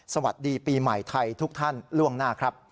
สวัสดีปีใหม่ไทยทุกท่านล่วงหน้าครับ